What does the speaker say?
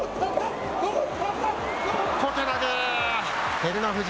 照ノ富士。